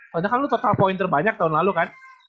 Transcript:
karena kan lu total poin terbanyak tahun lalu kan